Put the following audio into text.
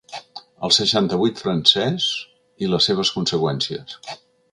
El seixanta-vuit francès i les seves conseqüències